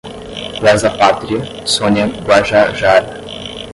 Lesa-pátria, Sônia Guajajara